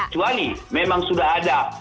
kecuali memang sudah ada